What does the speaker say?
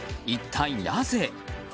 一体なぜ？